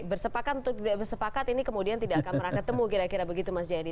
bersepakat untuk tidak bersepakat ini kemudian tidak akan pernah ketemu kira kira begitu mas jayadi